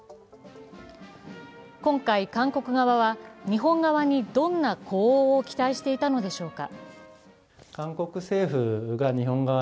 今回、韓国側は日本側にどんな呼応を期待していたのでしょうか。